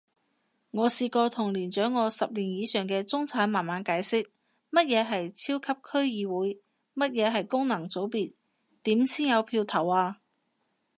我試過同年長我十年以上嘅中產慢慢解釋，乜嘢係超級區議會？乜嘢係功能組別？點先有票投啊？